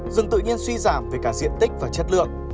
rừng tự nhiên suy giảm về cả diện tích và chất lượng